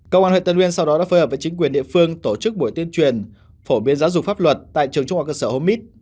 công an huyện tân nguyên sau đó đã phơi hợp với chính quyền địa phương tổ chức buổi tiên truyền phổ biến giáo dục pháp luật tại trường trung học cơ sở hố mít